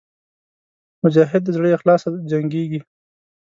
مجاهد د زړه له اخلاصه جنګېږي.